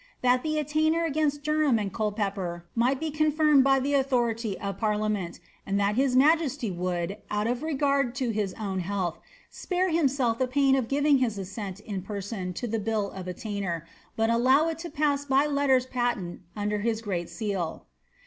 That the attainder against Derham and Culpepper might be confirmed by authority of parliament, and that his majesty would, ost of regard to his own health, spare himself the pain of giving bis hsseai in person to the bill of attainder, but allow it to pass by letters pateDl under his great seal.